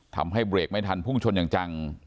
ทำให้เบรกไม่ทันพุ่งชนอย่างจัง